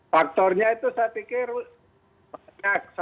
faktornya itu saya pikir banyak